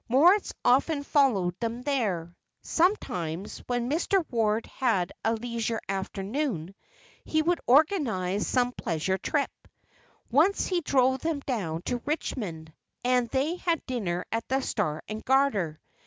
Moritz often followed them there. Sometimes, when Mr. Ward had a leisure afternoon, he would organise some pleasure trip. Once he drove them down to Richmond, and they had dinner at the "Star and Garter."